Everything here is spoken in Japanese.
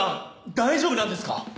大丈夫なんですか？